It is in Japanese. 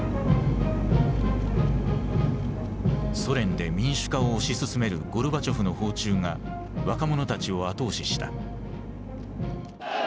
ソ連で民主化を推し進めるゴルバチョフの訪中が若者たちを後押しした。